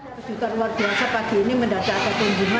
kecutaan luar biasa pagi ini mendapatkan kunjungan